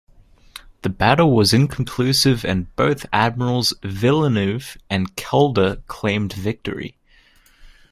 The battle was inconclusive and both admirals, Villeneuve and Calder, claimed victory.